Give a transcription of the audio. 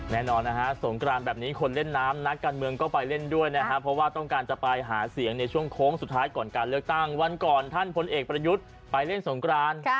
แน่นอนนะฮะสงกรานแบบนี้คนเล่นน้ำนักการเมืองก็ไปเล่นด้วยนะครับเพราะว่าต้องการจะไปหาเสียงในช่วงโค้งสุดท้ายก่อนการเลือกตั้งวันก่อนท่านพลเอกประยุทธ์ไปเล่นสงกราน